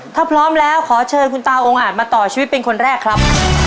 ถ้าพร้อมแล้วขอเชิญคุณตาองค์อาจมาต่อชีวิตเป็นคนแรกครับ